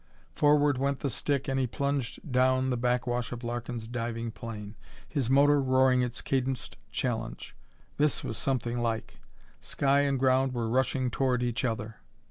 Forward went the stick and he plunged down the backwash of Larkin's diving plane, his motor roaring its cadenced challenge. This was something like! Sky and ground were rushing toward each other.